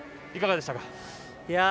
いかがでしたか。